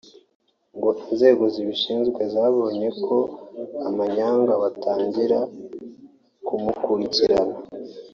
ngo inzego zibishinzwe zabonye ko harimo amanyanga batangira kumukurikirana